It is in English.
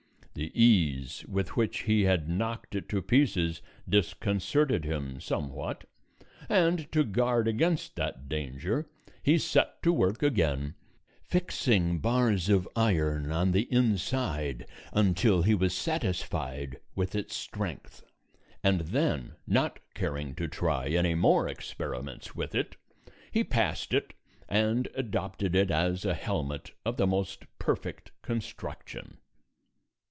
The ease with which he had knocked it to pieces disconcerted him somewhat, and to guard against that danger he set to work again, fixing bars of iron on the inside until he was satisfied with its strength; and then, not caring to try any more experiments with it, he passed it and adopted it as a helmet of the most perfect construction.